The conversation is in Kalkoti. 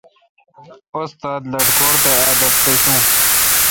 استاد لٹکور تھ ادب مشو۔